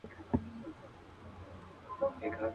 چي قلم لا څه لیکلي جهان ټول راته سراب دی.